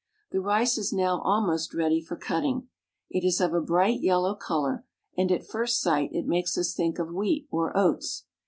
The rice is now almost ready for cutting. It is of a bright yellow col or, and at first sight it makes us think of wheat or oats.